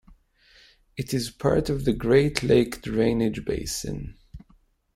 It is part of the Great Lake drainage basin.